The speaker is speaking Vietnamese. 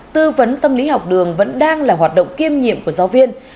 tư vấn tâm lý học đường vẫn đang là hoạt động kiêm nhiệm của giáo viên